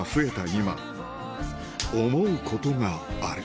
今思うことがある